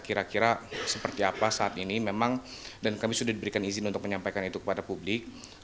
kira kira seperti apa saat ini memang dan kami sudah diberikan izin untuk menyampaikan itu kepada publik